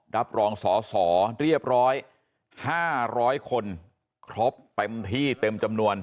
รับรองสอสอเรียบร้อย๕๐๐คนครบเต็มที่เต็มจำนวน